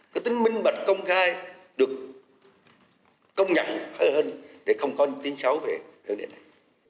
cái tính minh mạnh công khai được công nhận hơn để không có tiếng xấu về hướng đi này